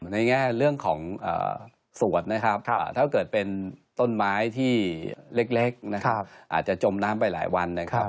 ในแง่เรื่องของสวดนะครับถ้าเกิดเป็นต้นไม้ที่เล็กนะครับอาจจะจมน้ำไปหลายวันนะครับ